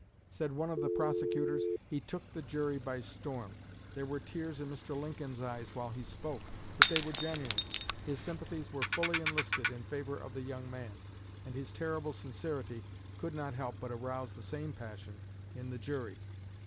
Said one of the prosecutors: "He took the jury by storm. There were tears in Mr. Lincoln's eyes while he spoke, but they were genuine. His sympathies were fully enlisted in favor of the young man, and his terrible sincerity could not help but arouse the same passion in the jury.